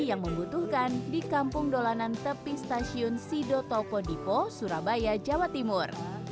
yang membutuhkan di kampung dolanan tepi stasiun sido toko dipo surabaya jawa timur